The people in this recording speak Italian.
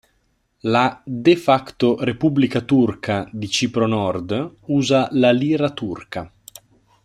La "de facto" Repubblica Turca di Cipro Nord usa la lira turca.